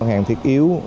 học hành thực yếu